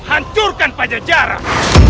hancurkan pajak jarang